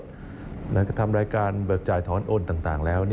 ทำรายการแบบจ่ายถอนโอนต่างแล้ว